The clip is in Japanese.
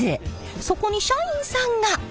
そこに社員さんが！